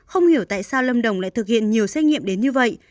không hiểu tại sao lâm đồng lại thực hiện nhiều xét nghiệm đến như vậy